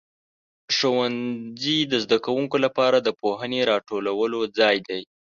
ښوونځي د زده کوونکو لپاره د پوهنې د راټولو ځای دی.